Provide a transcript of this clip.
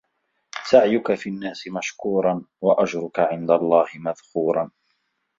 سَعْيُك فِي النَّاسِ مَشْكُورًا ، وَأَجْرُك عِنْدَ اللَّهِ مَذْخُورًا